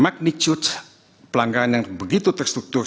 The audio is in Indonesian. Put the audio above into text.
magnitude pelanggaran yang begitu terstruktur